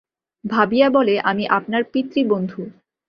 ভাবিয়া বলে, আমি আপনার পিতৃবন্ধু।